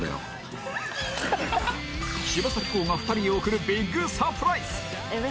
柴咲コウが２人に送るビッグサプライズ。